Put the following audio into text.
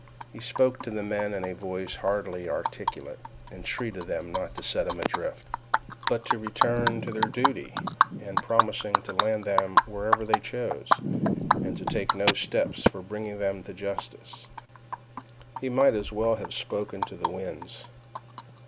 He spoke to the men in a voice hardly articulate, entreated them not to set him adrift, but to return to their duty, and promising to land them wherever they chose, and to take no steps for bringing them to justice. He might as well have spoken to the winds.